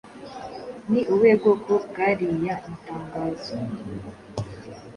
Ni ubuhe bwoko bw’ariya matangazo?